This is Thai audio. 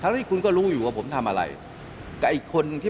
ท่านก็ให้เกียรติผมท่านก็ให้เกียรติผม